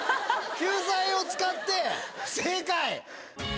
救済を使って不正解。